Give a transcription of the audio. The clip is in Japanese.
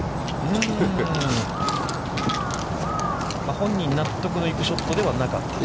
本人の納得のいくショットではなかったと。